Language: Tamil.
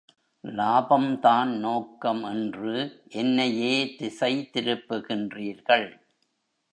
லாபம்தான் நோக்கம் என்று என்னையே திசை திருப்புகின்றீர்கள்!